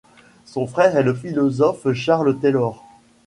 Son frère est le philosophe Charles Taylor.